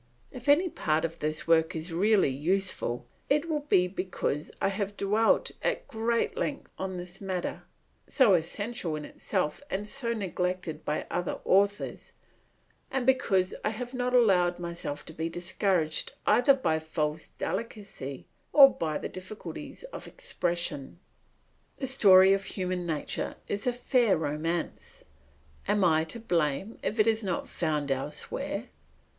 If any part of this work is really useful, it will be because I have dwelt at great length on this matter, so essential in itself and so neglected by other authors, and because I have not allowed myself to be discouraged either by false delicacy or by the difficulties of expression. The story of human nature is a fair romance. Am I to blame if it is not found elsewhere?